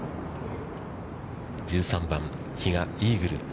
１３番、比嘉、イーグル。